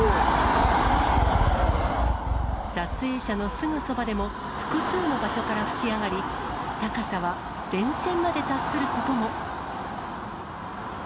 撮影者のすぐそばでも、複数の場所から噴き上がり、高さは電線まで達することも。